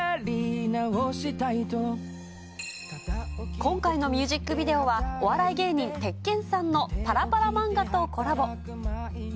今回のミュージックビデオは、お笑い芸人、鉄拳さんのパラパラ漫画とコラボ。